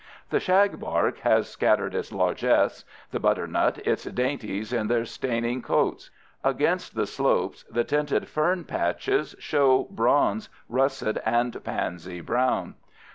The shagbark has scattered its largess, the butternut its dainties in their staining coats. Against the slopes the tinted fern patches show bronze, russet, and pansy brown.